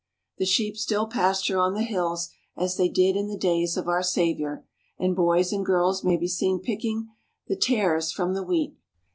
The sheep still pasture on the hills as they did in the days of our Saviour, and boys and girls may be seen picking the tares from the wheat.